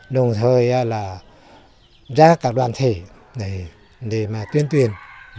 đồng thời là ra các đoàn thể để mà tuyên truyền